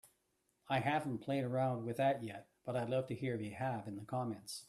I haven't played around with that yet, but I'd love to hear if you have in the comments.